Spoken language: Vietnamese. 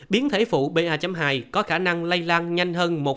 biến thể phụ ba hai có khả năng lây lan nhanh hơn một năm lần biến thể gốc ba một